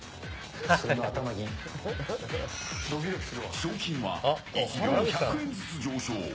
賞金は１秒１００円ずつ上昇。